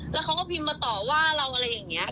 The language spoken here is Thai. แล้วเขาก็พิมพ์มาต่อว่าเราอะไรอย่างนี้